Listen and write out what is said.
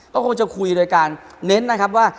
ก็คงจะคุยโดยการเน้นนะครับว่า